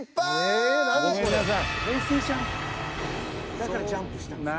だからジャンプしたんですか。